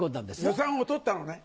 予算を取ったのね？